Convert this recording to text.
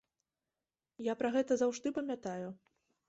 Я пра гэта заўжды памятаю.